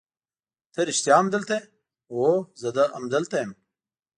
ته رښتیا هم دلته یې؟ هو زه همدلته یم.